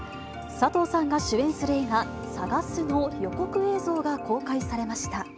佐藤さんが主演する映画、さがすの予告映像が公開されました。